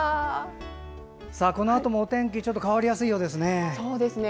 このあともお天気ちょっと変わりやすいようですね。